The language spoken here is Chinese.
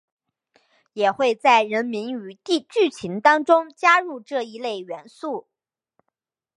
也会在人名与剧情当中加入这一类元素。